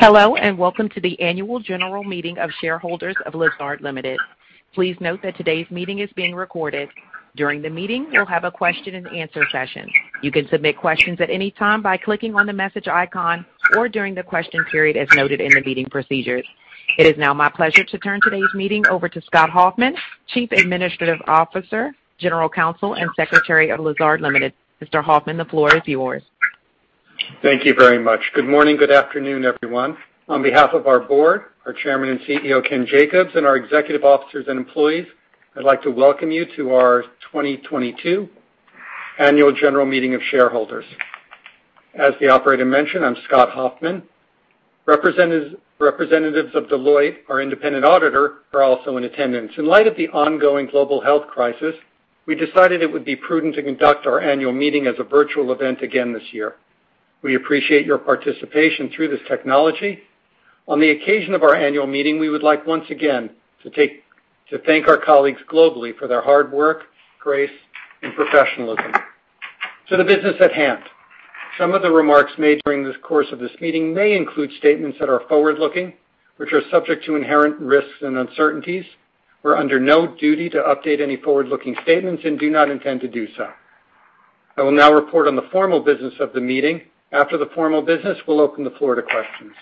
Hello, and welcome to the Annual General Meeting of Shareholders of Lazard Limited. Please note that today's meeting is being recorded. During the meeting, we'll have a question and answer session. You can submit questions at any time by clicking on the message icon or during the question period as noted in the meeting procedures. It is now my pleasure to turn today's meeting over to Scott Hoffman, Chief Administrative Officer, General Counsel, and Secretary of Lazard Limited. Mr. Hoffman, the floor is yours. Thank you very much. Good morning, good afternoon, everyone. On behalf of our board, our Chairman and CEO, Ken Jacobs, and our executive officers and employees, I'd like to welcome you to our 2022 Annual General Meeting of Shareholders. As the operator mentioned, I'm Scott Hoffman. Representatives of Deloitte, our independent auditor, are also in attendance. In light of the ongoing global health crisis, we decided it would be prudent to conduct our annual meeting as a virtual event again this year. We appreciate your participation through this technology. On the occasion of our annual meeting, we would like once again to thank our colleagues globally for their hard work, grace, and professionalism. To the business at hand. Some of the remarks made during the course of this meeting may include statements that are forward-looking, which are subject to inherent risks and uncertainties. We're under no duty to update any forward-looking statements and do not intend to do so. I will now report on the formal business of the meeting. After the formal business, we'll open the floor to questions.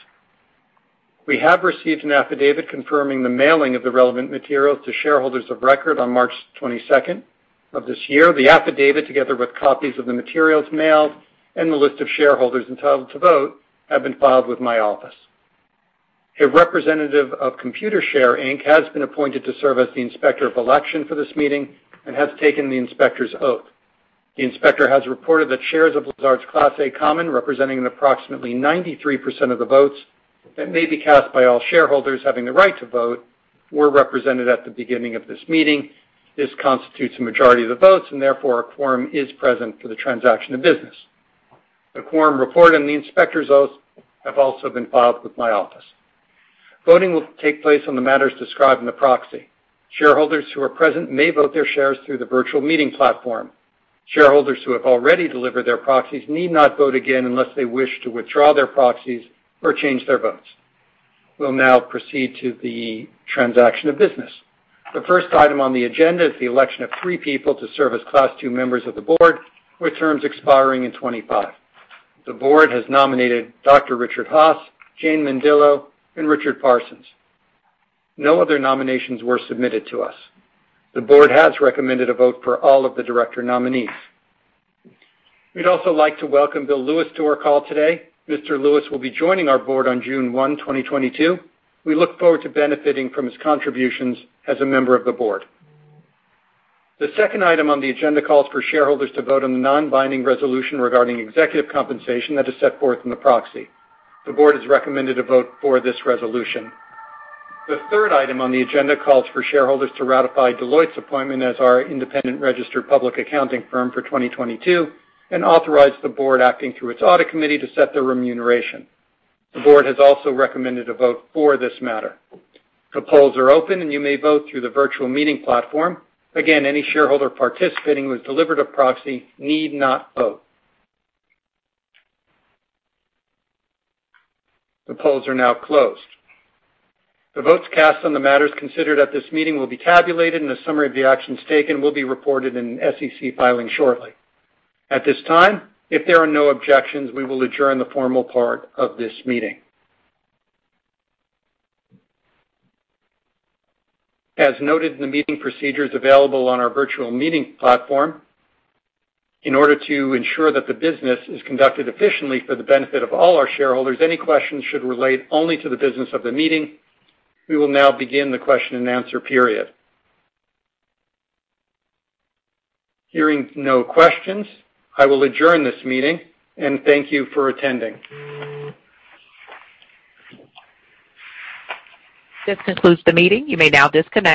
We have received an affidavit confirming the mailing of the relevant materials to shareholders of record on March 22 of this year. The affidavit, together with copies of the materials mailed and the list of shareholders entitled to vote, have been filed with my office. A representative of Computershare, Inc. has been appointed to serve as the inspector of election for this meeting and has taken the inspector's oath. The inspector has reported that shares of Lazard's Class A common, representing approximately 93% of the votes that may be cast by all shareholders having the right to vote, were represented at the beginning of this meeting. This constitutes a majority of the votes, and therefore, a quorum is present for the transaction of business. The quorum report and the inspector's oath have also been filed with my office. Voting will take place on the matters described in the proxy. Shareholders who are present may vote their shares through the virtual meeting platform. Shareholders who have already delivered their proxies need not vote again unless they wish to withdraw their proxies or change their votes. We'll now proceed to the transaction of business. The first item on the agenda is the election of three people to serve as Class 2 members of the board, with terms expiring in 2025. The board has nominated Dr. Richard Haass, Jane Mendillo, and Richard Parsons. No other nominations were submitted to us. The board has recommended a vote for all of the director nominees. We'd also like to welcome Bill Lewis to our call today. Mr. Lewis will be joining our board on June 1, 2022. We look forward to benefiting from his contributions as a member of the board. The second item on the agenda calls for shareholders to vote on the non-binding resolution regarding executive compensation that is set forth in the proxy. The board has recommended a vote for this resolution. The third item on the agenda calls for shareholders to ratify Deloitte's appointment as our independent registered public accounting firm for 2022 and authorize the board, acting through its audit committee, to set their remuneration. The board has also recommended a vote for this matter. The polls are open, and you may vote through the virtual meeting platform. Again, any shareholder participating who has delivered a proxy need not vote. The polls are now closed. The votes cast on the matters considered at this meeting will be tabulated, and a summary of the actions taken will be reported in an SEC filing shortly. At this time, if there are no objections, we will adjourn the formal part of this meeting. As noted in the meeting procedures available on our virtual meeting platform, in order to ensure that the business is conducted efficiently for the benefit of all our shareholders, any questions should relate only to the business of the meeting. We will now begin the question and answer period. Hearing no questions, I will adjourn this meeting, and thank you for attending. This concludes the meeting. You may now disconnect.